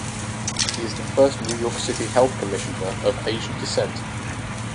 He is the first New York City Health Commissioner of Asian descent.